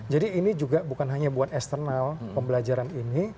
jadi ini juga bukan hanya buat eksternal pembelajaran ini